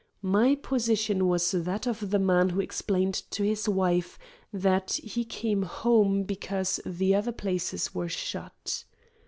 My position was that of the man who explained to his wife that he came home because the other places were shut.